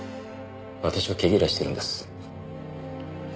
私を毛嫌いしてるんです。